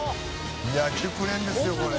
「いやあ熟練ですよこれ」